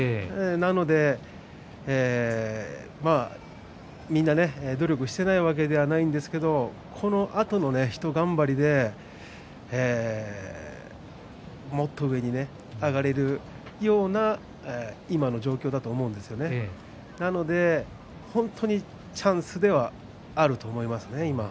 なので、みんな努力していないわけではないんですけれどこのあとのひと頑張りでもっと上に上がれるような今の状況だと思うんですよねなので本当に、チャンスではあると思います、今。